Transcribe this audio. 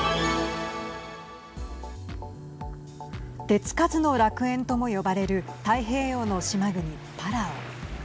手つかずの楽園とも呼ばれる太平洋の島国、パラオ。